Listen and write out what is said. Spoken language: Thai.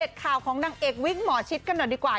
ข่าวของนางเอกวิกหมอชิดกันหน่อยดีกว่า